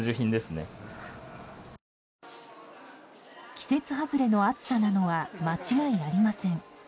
季節外れの暑さなのは間違いありません。